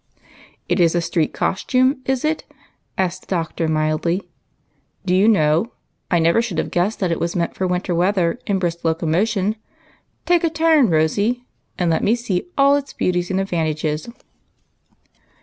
" It is a street costume, is it ?" asked the Doctor, mildly. " Do you know, I never should have guessed that it was meant for winter weather and brisk loco motion. Take a turn. Rosy, and let me see all its beauties and advantages."